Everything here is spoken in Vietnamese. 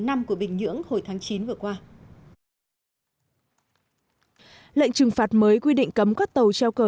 năm của bình nhưỡng hồi tháng chín vừa qua lệnh trừng phạt mới quy định cấm các tàu treo cờ